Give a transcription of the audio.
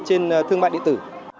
trên thương mại điện tử